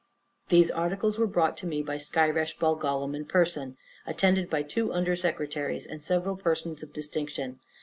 These articles were brought to me by Skyresh Bolgolam in person, attended by two under secretaries, and several persons of distinction.